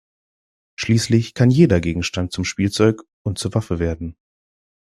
Schließlich kann jeder Gegenstand zum Spielzeug und zur Waffe werden.